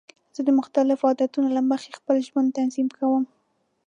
زه د مختلفو عادتونو له مخې خپل ژوند تنظیم کوم.